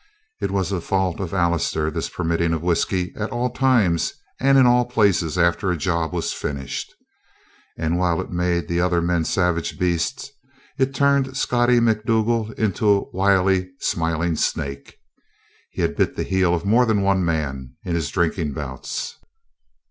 It was a fault of Allister, this permitting of whisky at all times and in all places, after a job was finished. And while it made the other men savage beasts, it turned Scottie Macdougal into a wily, smiling snake. He had bit the heel of more than one man in his drinking bouts.